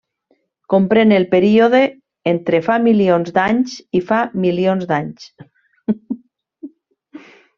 Comprèn el període entre fa milions d'anys i fa milions d'anys.